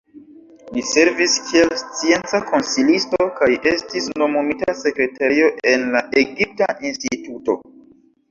Li servis kiel scienca konsilisto, kaj estis nomumita sekretario en la Egipta Instituto.